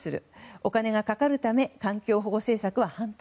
お金がかかるため環境保護政策は反対。